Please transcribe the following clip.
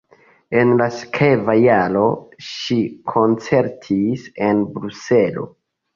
En la sekva jaro ŝi koncertis en Bruselo.